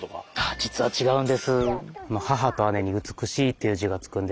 あ実は違うんです。